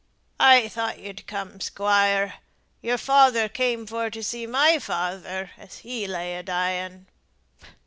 "I thought you'd come, Squire. Your father came for to see my father as he lay a dying."